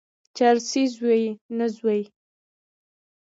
چرسي زوی، نه زوی.